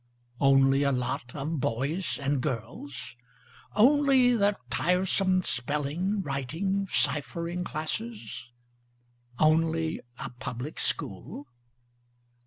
Only a lot of boys and girls? Only the tiresome spelling, writing, ciphering classes? Only a public school?